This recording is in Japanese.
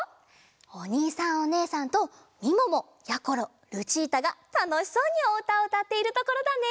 おにいさんおねえさんとみももやころルチータがたのしそうにおうたをうたっているところだね。